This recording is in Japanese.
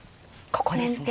ここですね。